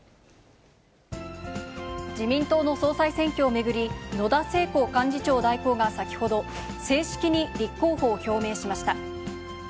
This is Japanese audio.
自民党の総裁選挙を巡り、野田聖子幹事長代行が先ほど、正式に立候補を表明しました。